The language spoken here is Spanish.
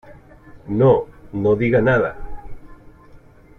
no, no diga nada.